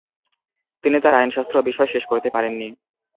তিনি তার আইনশাস্ত্র বিষয় শেষ করতে পারেননি।